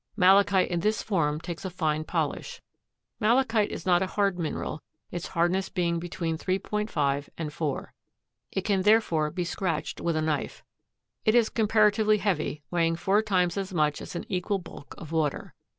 Malachite in this form takes a fine polish. Malachite is not a hard mineral, its hardness being between 3.5 and 4. It can therefore be scratched with a knife. It is comparatively heavy, weighing four times as much as an equal bulk of water.